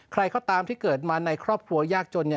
ใครก็ตามที่เกิดมาในครอบครัวยากจน